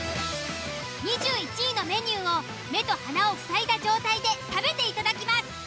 ２１位のメニューを目と鼻を塞いだ状態で食べていただきます。